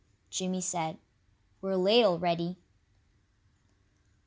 Jimmy said. "We're late already."